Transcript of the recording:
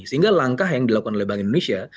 sehingga langkah yang dilakukan oleh bank indonesia